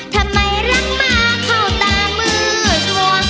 ทำไมรังหมาเข้าตามือตัว